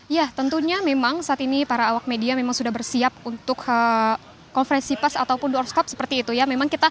ya tentunya memang saat ini para awak media memang sudah bersiap untuk konferensi pas ataupun doorskap seperti itu ya